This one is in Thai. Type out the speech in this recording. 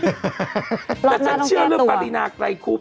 รอบหน้าต้องแก้ตัวแต่ฉันเชื่อเรื่องปรินาไกลกรุบ